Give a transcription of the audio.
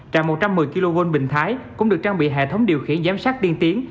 trạm một trăm một mươi kv bình thái cũng được trang bị hệ thống điều khiển giám sát tiên tiến